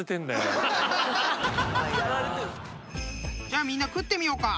じゃあみんな食ってみようか。